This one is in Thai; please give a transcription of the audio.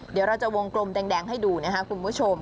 เดี๋ยวเราจะวงกลมแดงให้ดูนะครับคุณผู้ชม